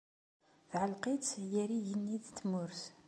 tɛelleq-itt gar yigenni d tmurt.